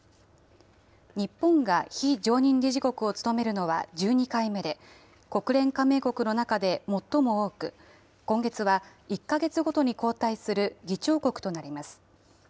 日本が非常任理事国を務めるのは１２回目で、国連加盟国の中で最も多く、今月は１か月ごとに交代する議長国となります。